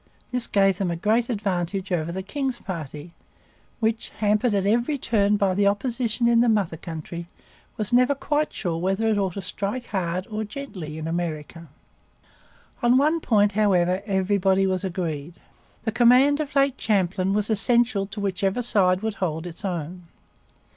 This gave them a great advantage over the king's party, which, hampered at every turn by the opposition in the mother country, was never quite sure whether it ought to strike hard or gently in America. On one point, however, everybody was agreed. The command of Lake Champlain was essential to whichever side would hold its own.